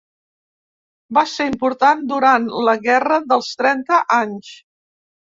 Va ser important durant la Guerra dels Trenta Anys.